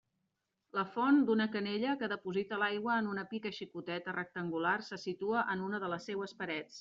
La font d'una canella que deposita l'aigua en una pica xicoteta rectangular se situa en una de les seues parets.